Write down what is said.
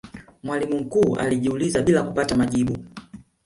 mwalimu mkuu alijiuliza bila kupata majibu